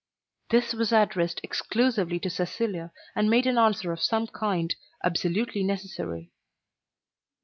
This was addressed exclusively to Cecilia, and made an answer of some kind absolutely necessary.